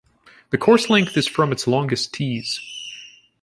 The course length is from its longest tees.